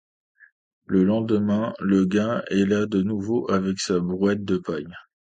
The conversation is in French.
Le lendemain, le gars est là de nouveau avec sa brouette de paille.